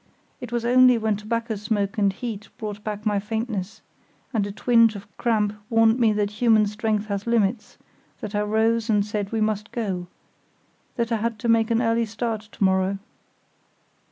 It was only when tobacco smoke and heat brought back my faintness, and a twinge of cramp warned me that human strength has limits, that I rose and said we must go; that I had to make an early start to morrow.